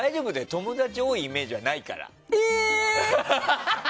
友達多いイメージはないから。